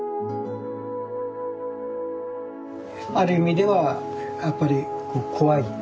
ある意味ではやっぱり怖い。